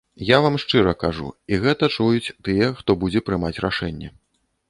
Я вам шчыра кажу, і гэта чуюць тыя, хто будзе прымаць рашэнне.